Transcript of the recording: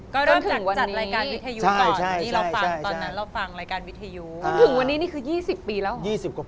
ก็เริ่มจากจัดรายการวิทยุก่อน